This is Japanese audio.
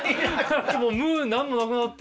もう無何もなくなった。